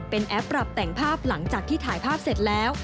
เป็นแอปปรับแต่งภาพหลังจากที่ถ่ายภาพเสร็จแล้ว